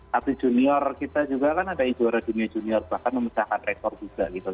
satu junior kita juga kan ada juara dunia junior bahkan memecahkan rekor juga gitu